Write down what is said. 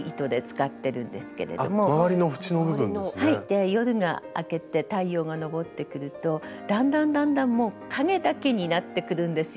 で夜が明けて太陽が昇ってくるとだんだんだんだんもう影だけになってくるんですよ